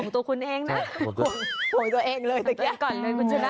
ตั้งก่อนเลยมันชนะ